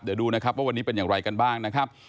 เดี๋ยวดูนะครับว่าวันนี้เป็นอย่างไรกันบ้างนะครับ